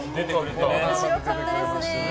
面白かったですね。